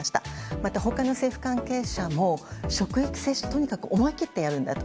また他の政府関係者も職域接種はとにかく思い切ってやるんだと。